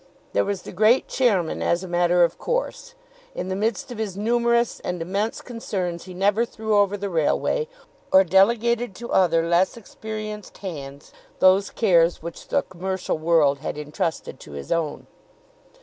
There was the great chairman as a matter of course. In the midst of his numerous and immense concerns he never threw over the railway, or delegated to other less experienced hands those cares which the commercial world had intrusted to his own.